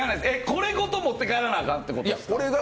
これごと持って帰らないといかんってことですか？